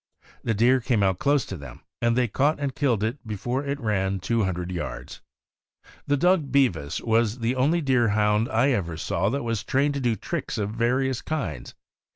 The deer came out close to them, and they caught and killed it before it ran two hundred yards. This dog Bevis was the only Deerhound I ever saw that was trained to do tricks of various kinds.